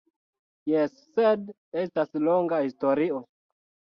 Jes, sed estas longa historio